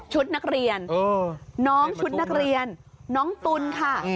นักเรียนน้องชุดนักเรียนน้องตุ๋นค่ะ